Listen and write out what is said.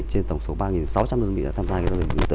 trên tổng số ba sáu trăm linh đơn vị đã tham gia giao dịch điện tử